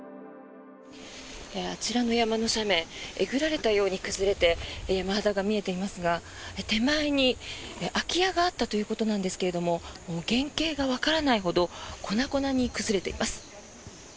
あちらの山の斜面えぐられたように崩れて山肌が見えていますが手前に空き家があったということなんですが原形がわからないほど粉々に崩れています。